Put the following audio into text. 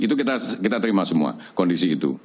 itu kita terima semua kondisi itu